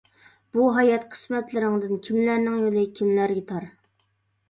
بۇ ھايات قىسمەتلىرىڭدىن، كىملەرنىڭ يولى كىملەرگە تار.